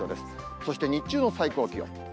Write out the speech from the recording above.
そして日中の最高気温。